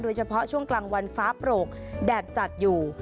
โดยเฉพาะช่วงกลางวันฟ้าโปรกแดดจัดอยู่